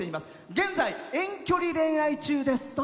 現在、遠距離恋愛中です。